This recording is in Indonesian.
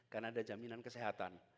karena ada jaminan kesehatan